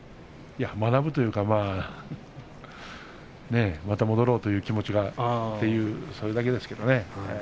いや学ぶというかまた戻ろうという気持ちがそれだけですね